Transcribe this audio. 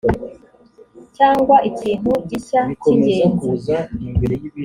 cyangwa ikintu gishya cy ingenzi